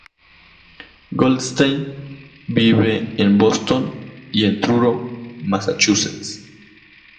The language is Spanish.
Goldstein vive en Boston y en Truro, Massachusetts.